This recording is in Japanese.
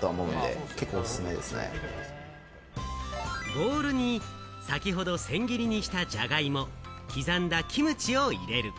ボウルに先ほど、千切りにしたジャガイモ、刻んだキムチを入れる。